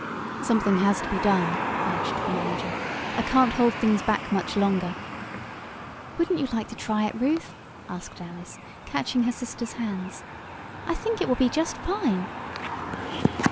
"Something has to be done," urged the manager. "I can't hold things back much longer." "Wouldn't you like to try it, Ruth?" asked Alice, catching her sister's hands. "I think it will be just fine!"